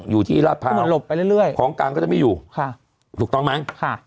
อยู่ที่ลาภาวหลบไปเรื่อยของกางก็จะไม่อยู่ถูกต้องมั้ย